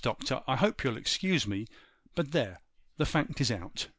Doctor, I hope you'll excuse me, but there, the fact is out!